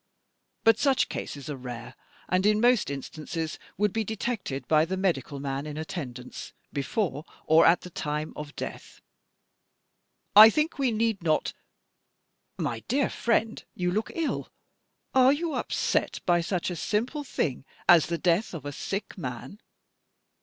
But such cases are rare, and, in most instances, would be detected by the medical man in attendance before or at the time of death. I think we need not My dear friend, you look ill. Are you upset by such a simple thing as the death of a sick man?